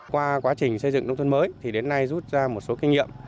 qua quá trình xây dựng nông thôn mới thì đến nay rút ra một số kinh nghiệm